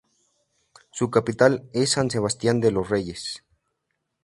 Su capital es San Sebastián de los Reyes.